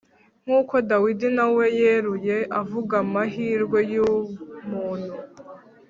nk'uko Dawidi nawe yeruye avuga amahirwe y'umuntu,